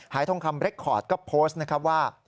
ทองคำเรคคอร์ดก็โพสต์นะครับว่า